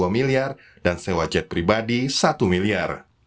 dua miliar dan sewa jet pribadi satu miliar